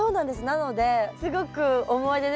なのですごく思い出ですね